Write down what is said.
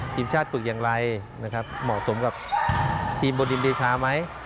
ทีมชาติฝึกอย่างไรนะครับเหมาะสมกับทีมบนดินเดชาไหม